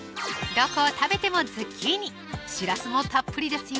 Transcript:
どこを食べてもズッキーニしらすもたっぷりですよ